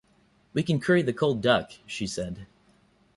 "We can curry the cold duck," she said.